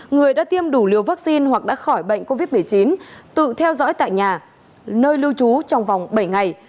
người đã tiêm đủ liều vaccine hoặc đã khỏi bệnh covid một mươi chín tự theo dõi tại nhà nơi lưu trú trong vòng bảy ngày